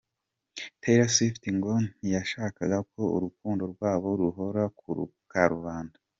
Taylor Swift ngo ntiyashakaga ko urukundo rwabo ruhora ku karubanda.